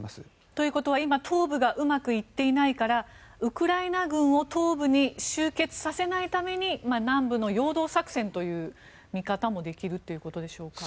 ということは東部が今うまくいっていないからウクライナ軍を東部に集結させないために南部の陽動作戦という見方もできるということでしょうか？